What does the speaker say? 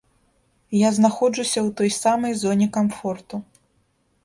Я знаходжуся ў той самай зоне камфорту.